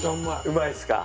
うまいっすか。